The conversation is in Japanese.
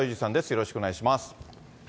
よろしくお願いします。